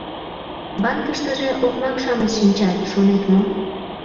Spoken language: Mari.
Банкыштыже окмак-шамыч шинчат, шонет мо?